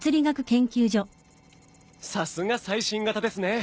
さすが最新型ですね。